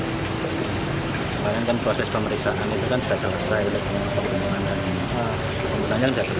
kemarin kan proses pemeriksaan itu kan sudah selesai